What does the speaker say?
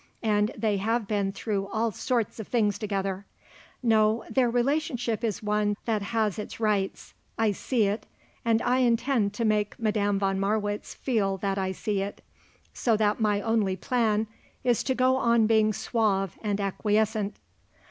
And they have been through all sorts of things together. No; their relationship is one that has its rights. I see it, and I intend to make Madame von Marwitz feel that I see it. So that my only plan is to go on being suave and acquiescent."